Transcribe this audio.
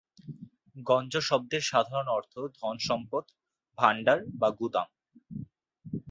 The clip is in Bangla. গঞ্জ শব্দের সাধারণ অর্থ ধন-সম্পদ, ভাণ্ডার বা গুদাম।